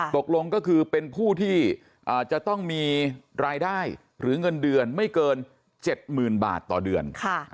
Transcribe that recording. ตกลงก็คือเป็นผู้ที่จะต้องมีรายได้หรือเงินเดือนไม่เกิน๗๐๐๐บาทต่อเดือน